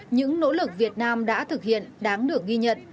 những nỗ lực việt nam đã thực hiện đáng được ghi nhận